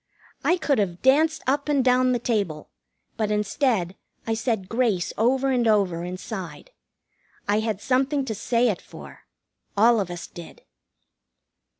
I could have danced up and down the table, but instead I said grace over and over inside. I had something to say it for. All of us did.